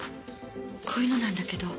こういうのなんだけど。